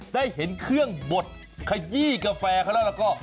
ได้เห็นเครื่องบดขยี้กาแฟเขาแล้วแล้วก็